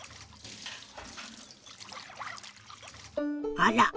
あら！